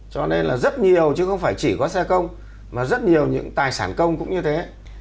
cho nên là rất nhiều chứ không phải chỉ có xe công mà rất nhiều những tài sản công cũng như thế